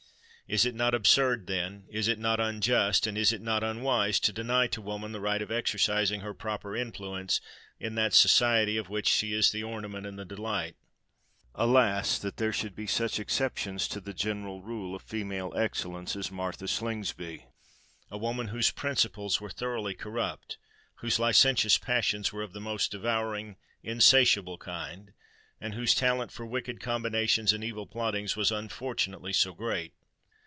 Is it not absurd, then—is it not unjust—and is it not unwise to deny to woman the right of exercising her proper influence in that society of which she is the ornament and the delight? Alas! that there should be such exceptions to the general rule of female excellence, as Martha Slingsby,—a woman whose principles were thoroughly corrupt, whose licentious passions were of the most devouring, insatiable kind, and whose talent for wicked combinations and evil plottings was unfortunately so great!